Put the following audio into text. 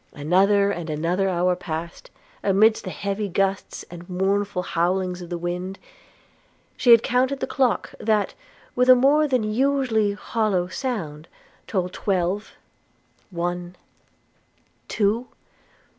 Another and another hour passed: amidst the heavy gusts and. mournful howlings of the wind, she had counted the clock, that, with a more than usually hollow sound, told twelve, one, two!